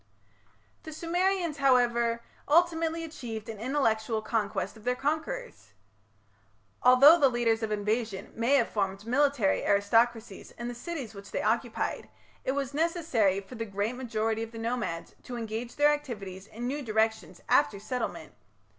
The Sumerians, however, ultimately achieved an intellectual conquest of their conquerors. Although the leaders of invasion may have formed military aristocracies in the cities which they occupied, it was necessary for the great majority of the nomads to engage their activities in new directions after settlement.